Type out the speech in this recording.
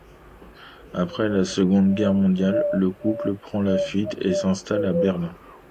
Après la Seconde Guerre mondiale, le couple prend la fuite et s'installe à Berlin.